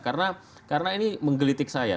karena karena ini menggelitik saya